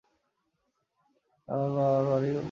আমার মামার বাড়ি ময়মনসিংহে।